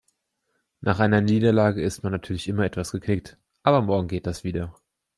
Nach einer Niederlage ist man natürlich immer etwas geknickt, aber morgen geht das wieder.